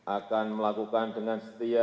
akan melakukan dengan setia